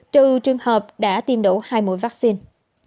trừ trường hợp đã tiêm đủ hai mũi vaccine